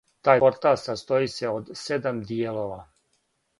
Тај портал састоји се од седам дијелова.